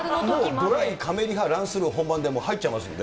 ドライ、カメリハ、ランスルー、本番入っちゃいますよね。